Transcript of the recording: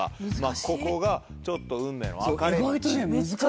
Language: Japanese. ここがちょっと運命の分かれ道。